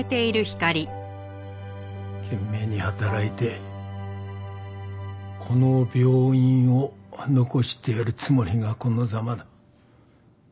懸命に働いてこの病院を残してやるつもりがこのザマだ。